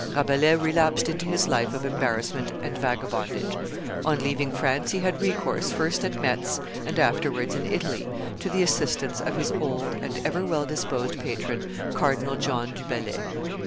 Rabelais relapsed into his life of embarrassment and vagabondage; on leaving France he had recourse, first at Metz and afterwards in Italy, to the assistance of his old and ever well disposed patron, Cardinal John Du Bellay.